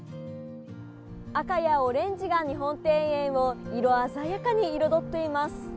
赤やオレンジが日本庭園を色鮮やかに彩っています。